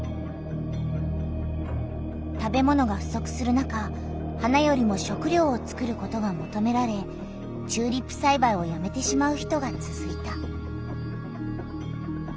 食べ物がふそくする中花よりも食りょうをつくることがもとめられチューリップさいばいをやめてしまう人がつづいた。